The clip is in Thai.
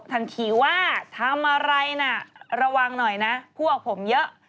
ทันทีว่าทำอะไรน่ะระวังหน่อยนะพวกผมเยอะ